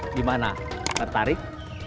di mana tertarik